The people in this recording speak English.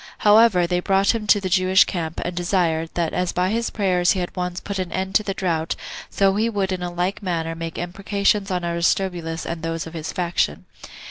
However, they brought him to the Jewish camp, and desired, that as by his prayers he had once put an end to the drought, so he would in like manner make imprecations on Aristobulus and those of his faction.